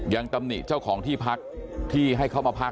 ตำหนิเจ้าของที่พักที่ให้เขามาพัก